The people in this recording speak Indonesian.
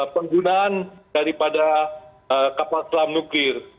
penggunaan daripada kapal selam nuklir